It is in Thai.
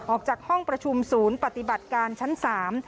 ออกจากห้องประชุมศูนย์ปฏิบัติการชั้นสาม